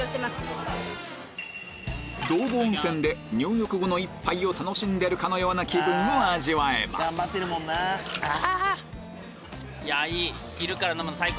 道後温泉で楽しんでるかのような気分を味わえますあ！